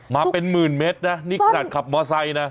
มาเป็นหมื่นเมตรนะนี่ขนาดขับมอไซค์นะ